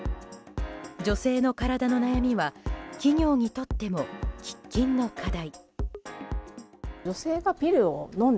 女性の体の悩みは企業にとっても喫緊の課題。